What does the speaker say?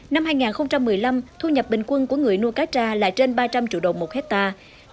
năm hai nghìn một mươi năm thu nhập bình quân của người nuôi cá tra là trên ba trăm linh triệu đồng một hectare